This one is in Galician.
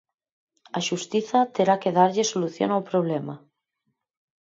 A xustiza terá que darlle solución ao problema.